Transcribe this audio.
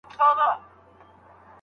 که علمي خبرې وي نو فکر فعالېږي.